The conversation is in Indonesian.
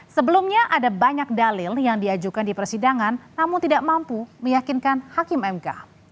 sebelumnya ada banyak dalil yang diajukan di persidangan namun tidak mampu meyakinkan hakim mk